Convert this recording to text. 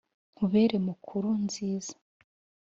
nkubere mukuru nziza